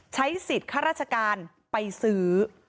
ใช้สิทธิ์ข้าราชการไปซื้อ